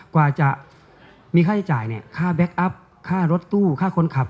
กว่าจะมีค่าใช้จ่ายเนี่ยค่าแบ็คอัพค่ารถตู้ค่าคนขับ